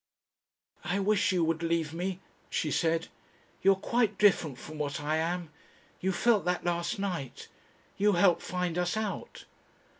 "I wish you would leave me," she said. "You are quite different from what I am. You felt that last night. You helped find us out...."